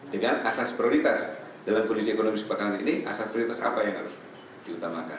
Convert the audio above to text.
dengan asas prioritas dalam kondisi ekonomi sekarang ini asas prioritas apa yang harus diutamakan